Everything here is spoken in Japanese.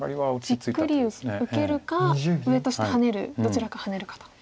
じっくり受けるか上と下ハネるどちらかハネるかと。